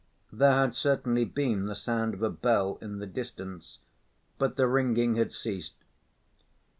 There had certainly been the sound of a bell in the distance, but the ringing had ceased.